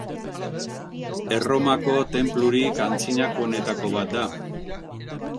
Erromako tenplurik antzinakoenetako bat da.